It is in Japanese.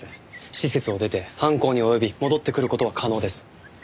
施設を出て犯行に及び戻ってくる事は可能です。